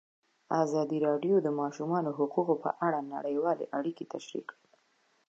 ازادي راډیو د د ماشومانو حقونه په اړه نړیوالې اړیکې تشریح کړي.